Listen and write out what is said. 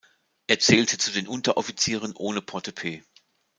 Er zählte zu den Unteroffizieren ohne Portepee.